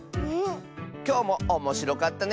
きょうもおもしろかったね！